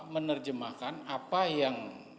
menerjemahkan apa yang